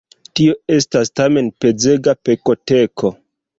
Tio estas tamen pezega pekoteko.